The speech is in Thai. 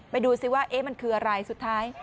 ดูสิว่ามันคืออะไรสุดท้าย